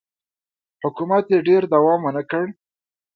حکومت یې ډېر دوام ونه کړ.